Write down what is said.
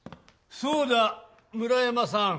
そうだ村山さん。